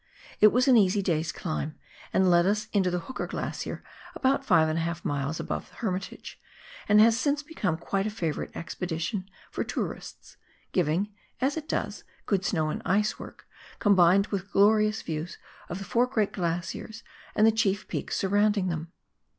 It was an easy day's climb, and led us into the Hooker Glacier, about 5| miles above the Hermitage, and has since become quite a favourite expedition for tourists, giving, as it does, good snow and ice work combined with glorious views of the four great glaciers and the chief peaks surrounding them.